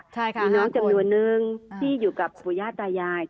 มีน้องจำนวนนึงที่อยู่กับปู่ย่าตายาย